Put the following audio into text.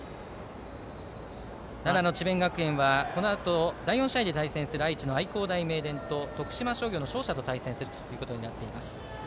奈良の智弁学園はこのあと第４試合で対戦する愛知の愛工大名電と徳島商業の勝者と対戦することになります。